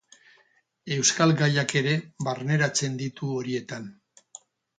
Euskal gaiak ere barneratzen ditu horietan.